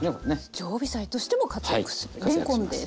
常備菜としても活躍するれんこんです。